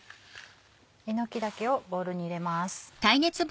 えのき茸をボウルに入れます。